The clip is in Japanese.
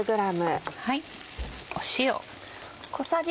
塩。